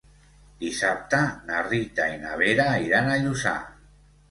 Dissabte na Rita i na Vera iran a Lluçà.